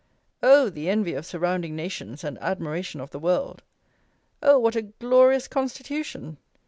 Oh! the envy of surrounding nations and admiration of the world! Oh! what a 'glorious Constitution!'